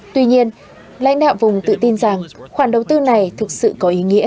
tuy nhiên lãnh đạo vùng tự tin rằng khoản đầu tư này thực sự có ý nghĩa